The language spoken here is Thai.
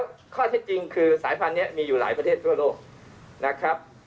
ข้อที่จริงในการจะเรียกซวิคมีสายพันธุ์ไทยอยู่หลายประเทศทุกโลกนะครับ